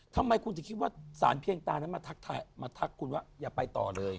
ทำไมคุณจะคิดว่าศาลพิเศษตรามาทักคุณอย่าไปต่อเลย